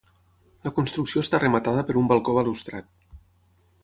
La construcció està rematada per un balcó balustrat.